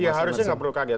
ya harusnya nggak perlu kaget